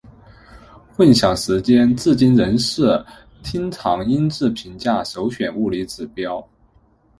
混响时间至今仍是厅堂音质评价首选的物理指标。